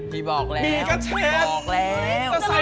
พี่บอกแล้ว